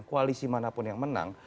koalisi manapun yang menang